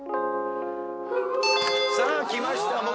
さあ来ました